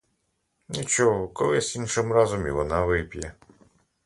Нічого, колись іншим разом і вона вип'є.